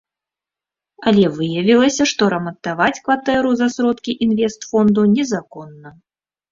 Але выявілася, што рамантаваць кватэру за сродкі інвестфонду незаконна.